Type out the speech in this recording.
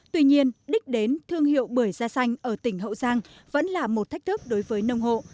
tuy nhiên đích đến thương hiệu bưởi da xanh ở tỉnh hậu giang vẫn là một thách thức đối với nông hộ